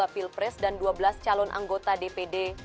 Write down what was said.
dua pilpres dan dua belas calon anggota dpd